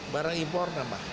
barang impor tambah